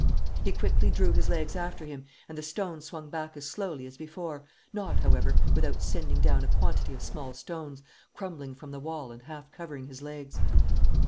He quickly drew his legs after him and the stone swung back as slowly as before, not, however, without sending down a quantity of small stones, crumbling from the wall and half covering his legs.